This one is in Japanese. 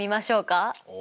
お！